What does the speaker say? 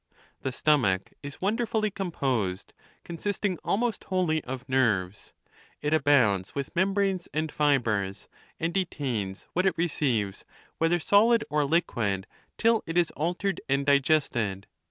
The stomach is wonderfully composed, consisting almost wholly of nerves ; it abounds with mem branes and fibres, and detains what it receives, whether solid or liquid, till it is altered and digested.